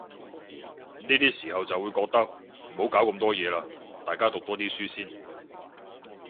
呢啲時候就會覺得，唔好搞咁多嘢喇，大家讀多啲書先